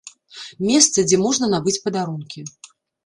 Месца, дзе можна набыць падарункі.